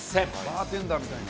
バーテンダーみたいな。